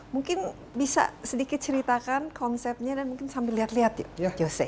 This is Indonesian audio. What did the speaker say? mungkin bisa sedikit ceritakan konsepnya dan mungkin sambil lihat lihat yuk yose